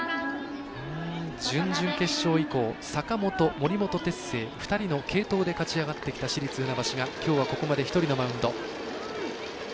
準々決勝以降坂本、森本哲星、２人の継投で勝ち上がってきた市立船橋がきょうはここまで１人のマウンド。